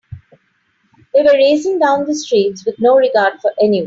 They were racing down the streets with no regard for anyone.